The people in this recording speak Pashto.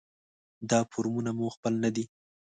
دا فورمونه مو خپل نه دي.